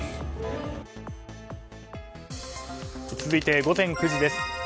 続いて午前９時です。